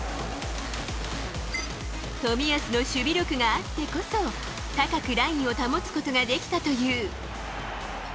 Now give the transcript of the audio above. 冨安の守備力があってこそ、高くラインを保つことができたという。